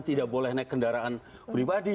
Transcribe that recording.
tidak boleh naik kendaraan pribadi